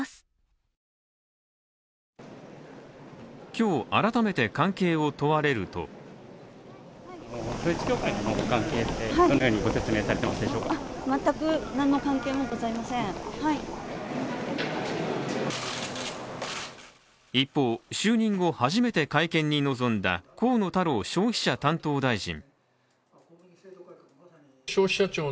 今日、改めて関係を問われると一方、就任後初めて会見に臨んだ河野太郎消費者担当大臣。